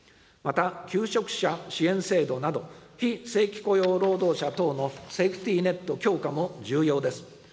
また、求職者支援制度など、非正規雇用労働者等のセーフティネット強化も重要です。